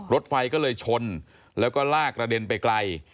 รถไฟก็เลยชนแล้วก็ลากกระเด็นไปไกล